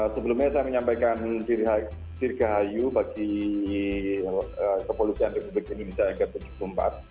sebelumnya saya menyampaikan diri saya bagi kepolisian di publik indonesia di hari jadinya ke tujuh puluh empat